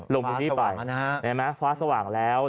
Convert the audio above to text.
ลงที่นี่ไปฟ้าสว่างแล้วนะฮะเห็นไหมฮะฟ้าสว่างแล้ว